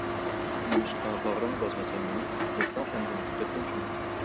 نېمىشقا باغرىڭغا باسمايسەن مېنى؟ بىلسەڭ، سەندىن كۈتەتتىم شۇنى!